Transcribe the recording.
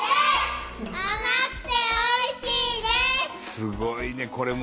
すごいねこれも。